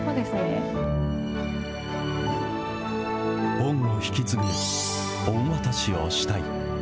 恩を引き継ぐ恩渡しをしたい。